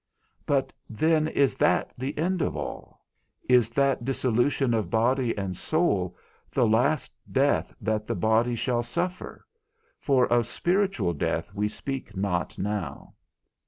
But then is that the end of all? Is that dissolution of body and soul the last death that the body shall suffer (for of spiritual death we speak not now).